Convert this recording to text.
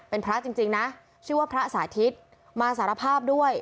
เป็นพระจริงนะชื่อว่าพระสาธิตมาสารภาพด้วย